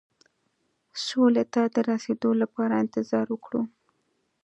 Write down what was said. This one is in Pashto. سولې ته د رسېدو لپاره انتظار وکړو.